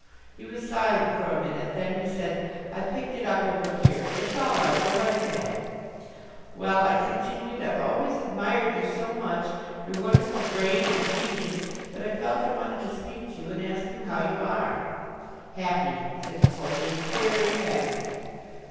He was silent for a minute. Then he said: "I picked it up over here. It's all right. Go right ahead." "Well," I continued, "I've always admired you so much, your wonderful brain and genius, that I felt I wanted to speak to you and ask you how you are." "Happy," said Napoleon, "very happy."